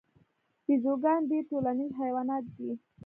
بیزوګان ډیر ټولنیز حیوانات دي